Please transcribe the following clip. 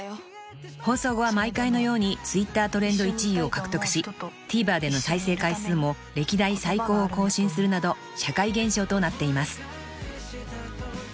［放送後は毎回のようにＴｗｉｔｔｅｒトレンド１位を獲得しＴＶｅｒでの再生回数も歴代最高を更新するなど社会現象となっています］